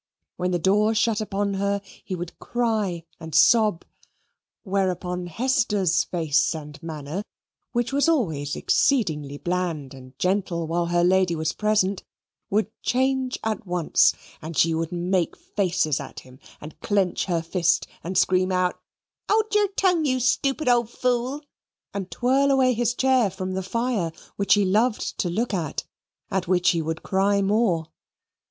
When the door shut upon her he would cry and sob whereupon Hester's face and manner, which was always exceedingly bland and gentle while her lady was present, would change at once, and she would make faces at him and clench her fist and scream out "Hold your tongue, you stoopid old fool," and twirl away his chair from the fire which he loved to look at at which he would cry more.